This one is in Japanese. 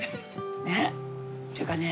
ねっっていうかね。